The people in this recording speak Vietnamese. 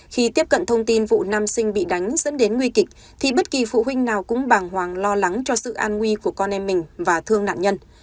khi tiếp cận thông tin vụ nam sinh bị đánh dẫn đến nguy kịch thì bất kỳ phụ huynh nào cũng bàng hoàng lo lắng cho sự an nguy của con em mình và thương nạn nhân